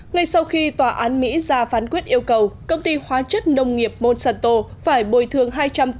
ngay sau khi tòa án mỹ ra phán quyết yêu cầu công ty hóa chất nông nghiệp monsanto phải bồi thương